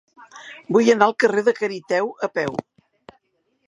Vull anar al carrer de Cariteo a peu.